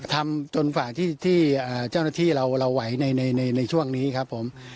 ทำจนกว่าที่เจ้าหน้าที่เราไหวในช่วงนี้ครับผม